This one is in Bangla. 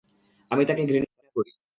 আমি তাকে ঘৃণা করি।